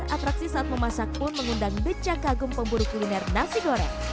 atraksi saat memasak pun mengundang becak kagum pemburu kuliner nasi goreng